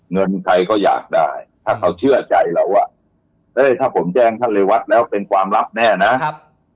เงินใครก็อยากได้ถ้าเขาเชื่อใจเราอ่ะเอ้ยถ้าผมแจ้งท่านเรวัตแล้วเป็นความลับแน่นะครับ